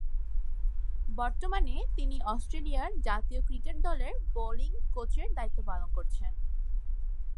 বর্তমানে তিনি অস্ট্রেলিয়ার জাতীয় ক্রিকেট দলের বোলিং কোচের দায়িত্ব পালন করছেন।